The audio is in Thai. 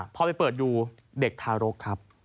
พอไปเปิดดูเด็กทารกครับ